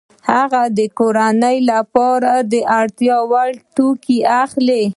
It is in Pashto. هغه د کورنۍ لپاره د اړتیا وړ توکي اخلي